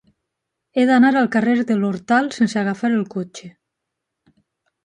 He d'anar al carrer de l'Hortal sense agafar el cotxe.